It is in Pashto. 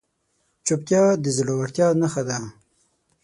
چوپتیا، د زړورتیا نښه ده.